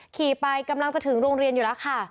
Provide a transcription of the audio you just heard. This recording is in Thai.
ขี่ไปกำลังจะถึงโรงเรียนอยู่แล้วค่ะ